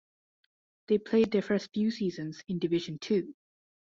They played their first few seasons in Division Two.